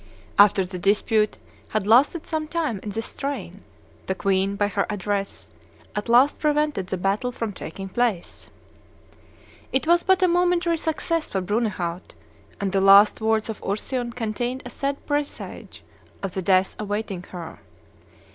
After the dispute had lasted some time in this strain, the queen, by her address, at last prevented the battle from taking place." (Gregory of Tours, VI. iv.) It was but a momentary success for Brunehaut; and the last words of Ursion contained a sad presage of the death awaiting her.